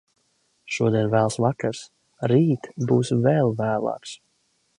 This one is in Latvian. Šodien vēls vakars, rīt būs vēl vēlāks.